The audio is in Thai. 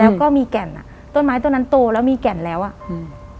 แล้วก็มีแก่นอ่ะต้นไม้ต้นนั้นโตแล้วมีแก่นแล้วอ่ะอืม